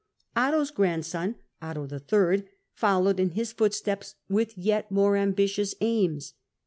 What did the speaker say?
Otto's grandson, Otto III., followed in his footsteps with yet more ambitions aims.